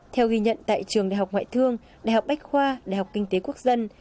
theo ghi nhận tại trường đại học ngoại thương đại học bách khoa đại học kinh tế quốc dân